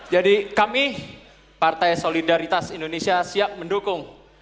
jadi kami partai solidaritas indonesia siap mendukung